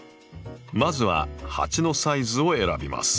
まずは鉢のサイズを選びます。